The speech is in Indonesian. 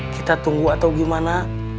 kita tunggu atau gimana